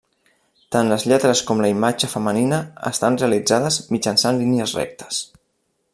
Tant les lletres com la imatge femenina, estan realitzades mitjançant línies rectes.